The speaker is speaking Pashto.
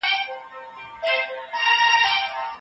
ما خپل ورور ته د پیاده تګ وړاندیز وکړ ترڅو مو خوراک هضم شي.